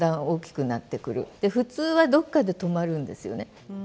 普通はどっかで止まるんですよね。